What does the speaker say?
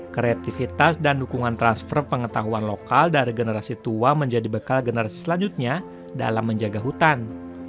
kreativitas dan dukungan transfer pengetahuan lokal dari generasi tua menjadi bekal generasi selanjutnya dalam menjaga hutan